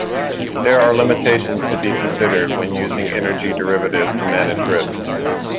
There are limitations to be considered when using energy derivatives to manage risk.